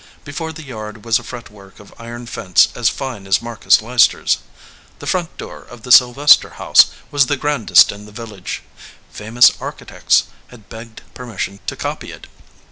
Before the yard was a fretwork of iron fence as fine as Marcus Leicester s, The front door of the Sylvester house was the grandest in the village. Famous architects had begged permission to copy it.